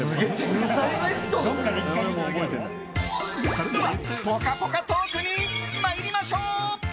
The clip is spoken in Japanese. それではぽかぽかトークに参りましょう。